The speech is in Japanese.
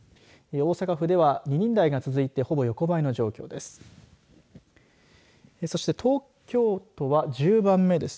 大阪府では２人台が続いてほぼ横ばいの状況です。